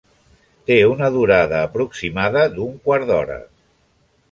Té una durada aproximada d'un quart d'hora.